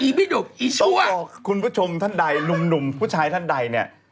อีบิดุกอีชั่วต้องบอกคุณผู้ชมท่านใดหนุ่มผู้ชายท่านใดเนี่ย